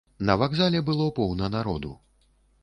На вакзале было поўна народу.